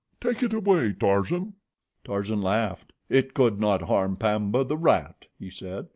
Take it away, Tarzan." Tarzan laughed. "It could not harm Pamba, the rat," he said.